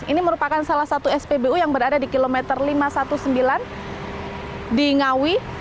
ini merupakan salah satu spbu yang berada di kilometer lima ratus sembilan belas di ngawi